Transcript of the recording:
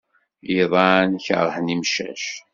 Iḍan keṛhen imcac.